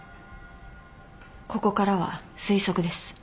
ここからは推測です。